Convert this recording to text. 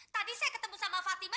tadi saya ketemu sama fatima